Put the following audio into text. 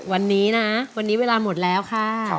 วันนี้นะวันนี้เวลาหมดแล้วค่ะ